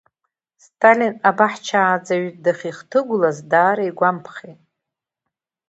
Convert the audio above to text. Сталин абаҳчааӡаҩ дахьихҭыгәлаз даара игәамԥхеит.